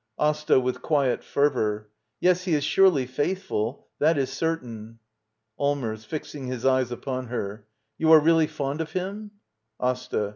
AsTA. [With quiet fervor.] Yes, he is surely faithful. That is certain. Allmers. [Fixing his eyes upon her.] You are , really fond of him? AsTA.